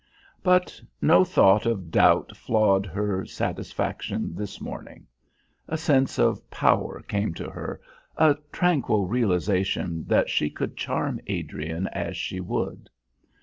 But no thought of doubt flawed her satisfaction this morning. A sense of power came to her, a tranquil realisation that she could charm Adrian as she would.